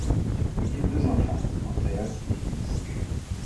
Il eut deux enfants, Andreas et Utz.